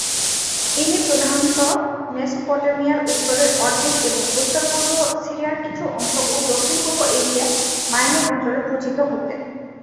ইনি প্রধানত মেসোপটেমিয়ার উত্তরের অর্ধেক এবং উত্তর-পূর্ব সিরিয়ার কিছু অংশ ও দক্ষিণ পূর্ব এশিয়া মাইনর অঞ্চলে পূজিত হতেন।